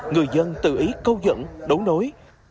người dân tự ý câu dẫn đối đối